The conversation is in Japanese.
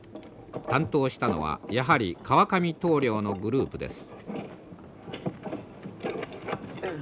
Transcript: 担当したのはやはり川上棟梁のグループです。